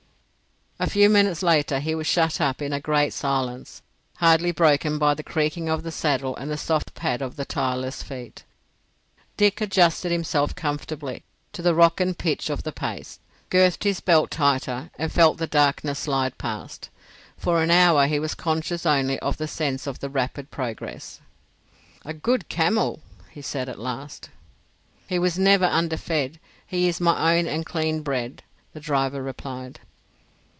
A few minutes later he was shut up in a great silence, hardly broken by the creaking of the saddle and the soft pad of the tireless feet. Dick adjusted himself comfortably to the rock and pitch of the pace, girthed his belt tighter, and felt the darkness slide past. For an hour he was conscious only of the sense of rapid progress. "A good camel," he said at last. "He was never underfed. He is my own and clean bred," the driver replied.